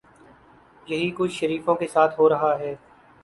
یہی کچھ شریفوں کے ساتھ ہو رہا ہے۔